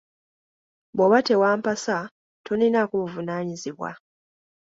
Bw'oba tewampasa tonninaako buvunaanyizibwa.